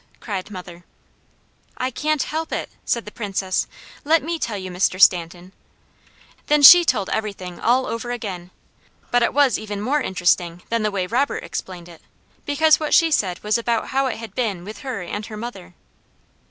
cried mother. "I can't help it!" said the Princess. "Let me tell you, Mr. Stanton." Then SHE told everything all over again, but it was even more interesting than the way Robert explained it, because what she said was about how it had been with her and her mother.